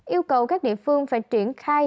yêu cầu các địa phương phải triển khai